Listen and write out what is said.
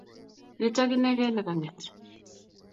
Nitok inekey ne kang'et